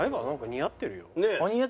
似合ってる？